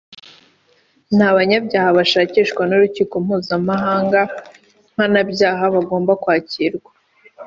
nta banyabyaha bashakishwa n’urukiko mpuzamahanga mpanabyaha bagomba kwakirwa